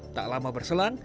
tak lama berselang